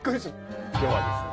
今日はですね